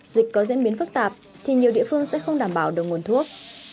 dịch có diễn biến phức tạp thì nhiều địa phương sẽ không đảm bảo được nguồn thuốc